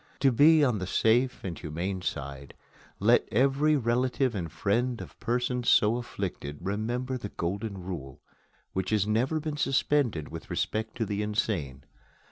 To be on the safe and humane side, let every relative and friend of persons so afflicted remember the Golden Rule, which has never been suspended with respect to the insane.